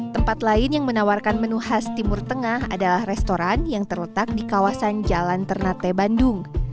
tempat lain yang menawarkan menu khas timur tengah adalah restoran yang terletak di kawasan jalan ternate bandung